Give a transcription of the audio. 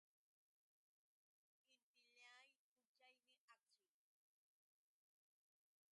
Inti lliw punćhawmi akchin.